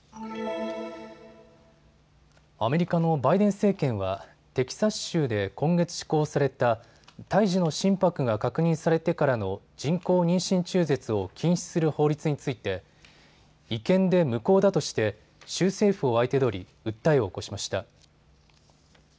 アメリカのバイデン政権はテキサス州で今月施行された胎児の心拍が確認されてからの人工妊娠中絶を禁止する法律について違憲で無効だとして州政府を相手取り訴えを起こしました。